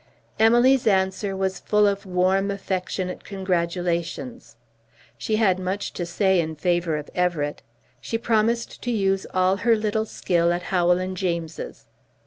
Emily's answer was full of warm, affectionate congratulations. She had much to say in favour of Everett. She promised to use all her little skill at Howell and James's.